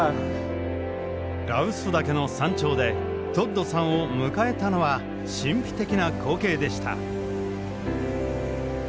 羅臼岳の山頂でトッドさんを迎えたのは神秘的な光景でした。